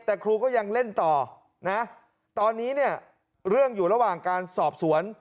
แต่ครูก็ยังเล่นต่อนะตอนนี้เนี่ยเรื่องอยู่ระหว่างการสอบสวน